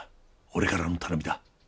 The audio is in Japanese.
俺からの頼みだ。